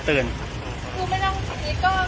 อ๋อต้องกลับมาก่อน